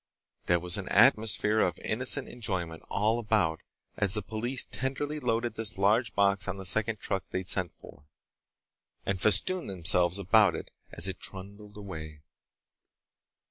There was an atmosphere of innocent enjoyment all about as the police tenderly loaded this large box on the second truck they'd sent for, and festooned themselves about it as it trundled away.